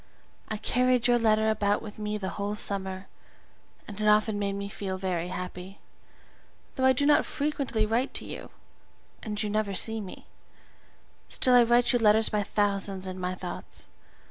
I carried your letter about with me the whole summer, and it often made me feel very happy; though I do not frequently write to you, and you never see me, still I write you letters by thousands in my thoughts.